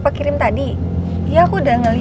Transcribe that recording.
terima kasih sudah nonton